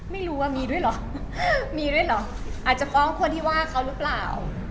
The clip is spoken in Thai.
ไม่รู้ว่ามีด้วยเหรอมีด้วยเหรออาจจะฟ้องคนที่ว่าเขาหรือเปล่า